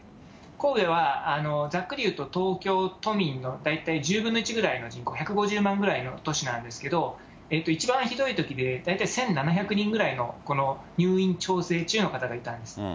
神戸は、ざっくりいうと東京都民の大体１０分の１ぐらいの人口、１５０万ぐらいの都市なんですけど、一番ひどいときで、大体１７００人ぐらいの入院調整中の方がいたんです。